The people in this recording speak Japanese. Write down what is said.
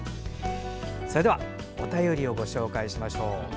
それではお便りをご紹介します。